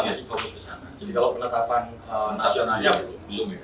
masa kesalahannya konfirmasinya dua hari ini belum selesai